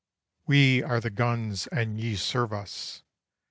We are the guns and ye serve us!